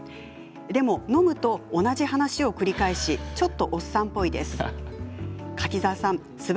でも、飲むと同じ話を繰り返しちょっとおっさんっぽいです。